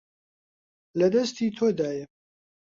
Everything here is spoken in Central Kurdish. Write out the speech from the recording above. لە دەستی تۆدایە.